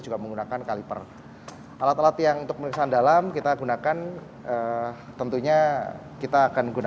juga menggunakan kaliper alat alat yang untuk pemeriksaan dalam kita gunakan tentunya kita akan guna